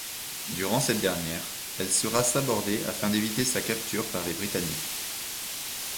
Durant cette dernière, elle sera sabordée afin d'éviter sa capture par les Britanniques.